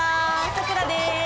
さくらです！